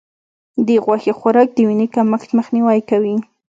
د غوښې خوراک د وینې کمښت مخنیوی کوي.